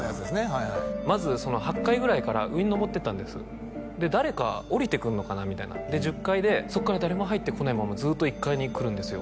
はいはいまず８階ぐらいから上に昇ってったんですで誰かおりてくんのかなみたいなで１０階でそっから誰も入ってこないままずっと１階に来るんですよ